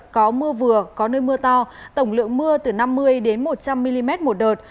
có mưa vừa có nơi mưa to tổng lượng mưa từ năm mươi một trăm linh mm một đợt